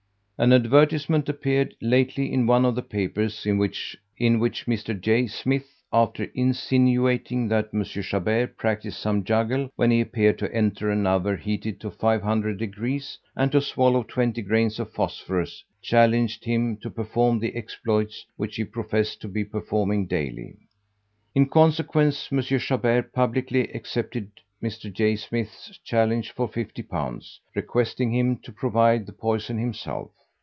An advertisement appeared lately in one of the papers, in which a Mr. J. Smith after insinuating that M. Chabert practised some juggle when he appeared to enter an oven heated to five hundred degrees, and to swallow twenty grains of phosphorus, challenged him to perform the exploits which he professed to be performing daily. In consequence M. Chabert publicly accepted Mr. J. Smith's challenge for L50, requesting him to provide the poison himself.